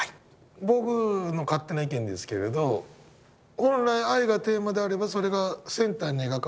僕の勝手な意見ですけれど本来愛がテーマであればそれがセンターに描かれる。